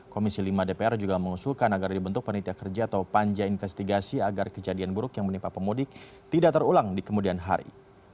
komisi lima dpr juga mengusulkan agar dibentuk panitia kerja atau panja investigasi agar kejadian buruk yang menimpa pemudik tidak terulang di kemudian hari